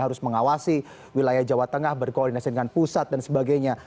harus mengawasi wilayah jawa tengah berkoordinasi dengan pusat dan sebagainya